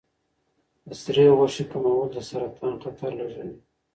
د سرې غوښې کمول د سرطان خطر لږوي.